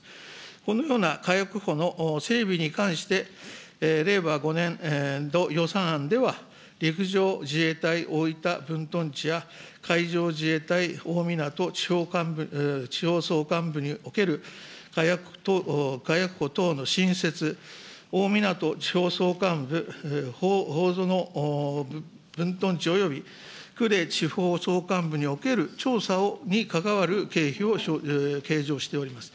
このような火薬庫の整備に関して、令和５年度予算案では、陸上自衛隊大分分屯地や、海上自衛隊おおみなと地方総監部における火薬庫等の新設、おおみなと地方総監部、おおぞの分屯地および呉地方総監部における調査に関わる経費を計上しております。